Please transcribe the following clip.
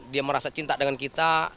dia merasa cinta dengan kita